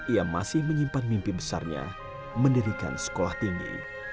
ia masih menyimpan mimpi besarnya mendirikan sekolah tinggi